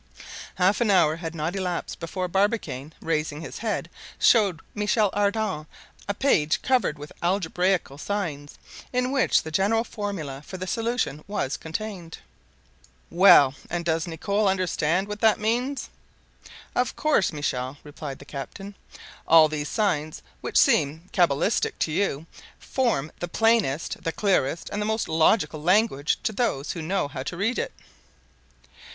Half an hour had not elapsed before Barbicane, raising his head, showed Michel Ardan a page covered with algebraical signs, in which the general formula for the solution was contained. "Well, and does Nicholl understand what that means?" "Of course, Michel," replied the captain. "All these signs, which seem cabalistic to you, form the plainest, the clearest, and the most logical language to those who know how to read it."